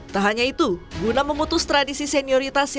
tak hanya itu guna memutus tradisi senioritaskan